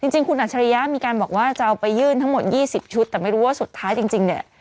จริงคุณอัจฉริยะมีการบอกว่าจะเอาไปยื่นทั้งหมด๒๐ชุดแต่ไม่รู้ว่าสุดท้ายจริงเนี่ย